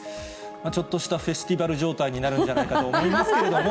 ちょっとしたフェスティバル状態になるんではないかと思いますけれども。